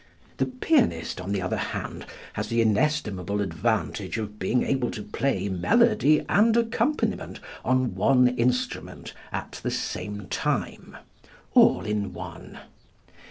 The pianist, on the other hand, has the inestimable advantage of being able to play melody and accompaniment on one instrument at the same time all in one.